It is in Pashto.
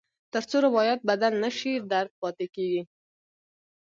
تر څو روایت بدل نه شي، درد پاتې کېږي.